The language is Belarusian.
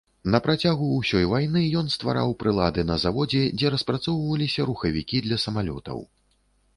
На працягу ўсёй вайны ён ствараў прылады на заводзе, дзе распрацоўваліся рухавікі для самалётаў.